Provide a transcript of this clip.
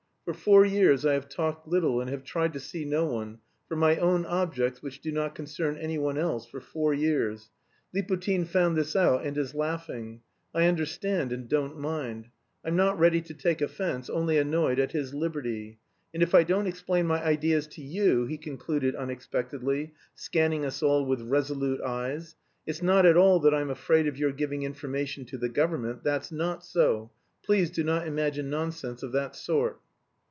For four years I have talked little and have tried to see no one, for my own objects which do not concern anyone else, for four years. Liputin found this out and is laughing. I understand and don't mind. I'm not ready to take offence, only annoyed at his liberty. And if I don't explain my ideas to you," he concluded unexpectedly, scanning us all with resolute eyes, "it's not at all that I'm afraid of your giving information to the government; that's not so; please do not imagine nonsense of that sort."